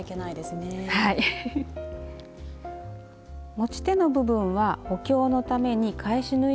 持ち手の部分は補強のために返し縫いをしておきます。